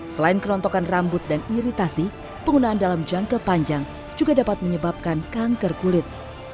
selain kerontokan rambut dan iritasi penggunaan dalam jangka panjang juga dapat menyebabkan kanker kulit